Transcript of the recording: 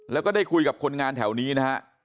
แล้วก็ได้คุยกับคนงานแถวนี้นะฮะ